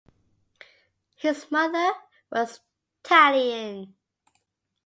His mother was Italian.